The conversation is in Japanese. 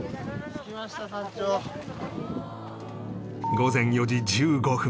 午前４時１５分